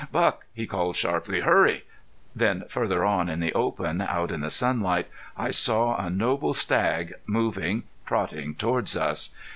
"Buck!" he called, sharply. "Hurry!" Then, farther on in the open, out in the sunlight, I saw a noble stag, moving, trotting toward us.